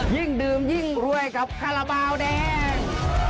ยิ่งดื่มยิ่งรวยกับคาราบาลแดง